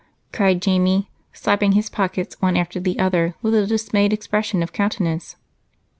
cried Jamie, slapping his pockets one after the other with a dismayed expression of countenance.